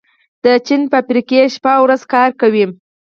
د چین فابریکې شپه او ورځ کار کوي.